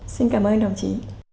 xin cảm ơn đồng chí